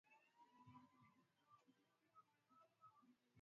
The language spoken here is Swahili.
Lilikuwa duka la kawaida lenye kuuza vitu kwa matumizi ya nyumbani